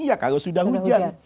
ya kalau sudah hujan